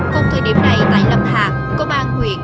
cùng thời điểm này tại lâm hà công an huyện